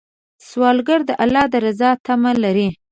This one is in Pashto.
سوالګر د الله د رضا تمه لري